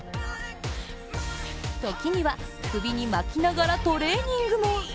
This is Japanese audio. ときには、首に巻きながらトレーニングも。